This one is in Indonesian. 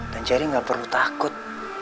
dan cherry nggak perlu takut